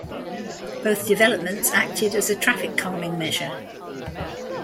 Both developments acted as a traffic calming measure.